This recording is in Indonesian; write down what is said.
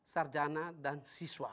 sarjana dan siswa